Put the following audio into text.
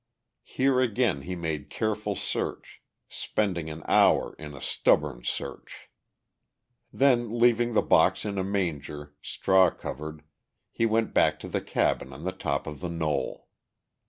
Here again he made careful search, spending an hour in a stubborn search. Then leaving the box in a manger, straw covered, he went back to the cabin on the top of the knoll.